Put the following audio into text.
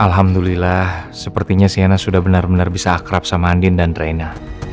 alhamdulillah sepertinya siana sudah benar benar bisa akrab sama andin dan raina